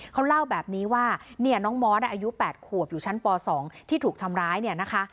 เขาเล่าแบบนี้ว่าเนี่ยน้องมอสอายุ๘ขวบอยู่ชั้นป๒ที่ถูกทำร้ายเนี่ยนะคะ